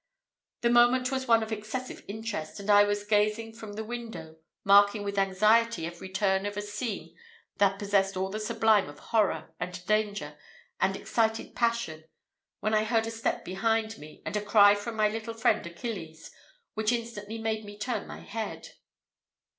The moment was one of excessive interest, and I was gazing from the window, marking with anxiety every turn of a scene that possessed all the sublime of horror, and danger, and excited passion, when I heard a step behind me, and a cry from my little friend Achilles, which instantly made me turn my head.